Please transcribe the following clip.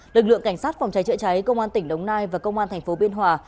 lực lượng cảnh sát phòng cháy chữa cháy công an tỉnh đồng nai và công an thành phố biên hòa